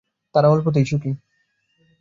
তারা অল্পতেই সুখী।